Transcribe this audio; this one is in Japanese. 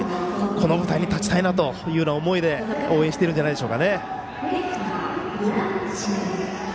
この舞台に立ちたいなという思いで応援しているんじゃないでしょうかね。